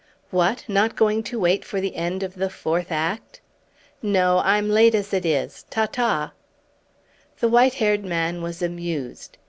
"What! Not going to wait for the end of the fourth act?" "No, I'm late as it is. Ta ta!" The white haired man was amused.